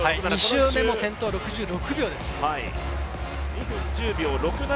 ２周目も先頭は６６秒です。